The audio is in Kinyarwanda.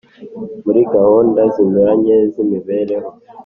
Murigahunda zinyuranye zimibereho